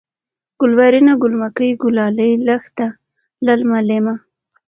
گلورينه ، گل مکۍ ، گلالۍ ، لښته ، للمه ، لېمه